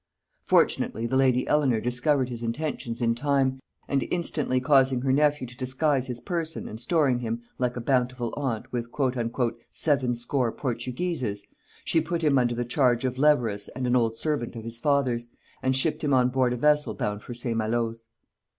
Fortunately the lady Elenor discovered his intentions in time, and instantly causing her nephew to disguise his person, and storing him, like a bountiful aunt, with "sevenscore portugueses," she put him under the charge of Leverous and an old servant of his father's, and shipped him on board a vessel bound for St. Malo's.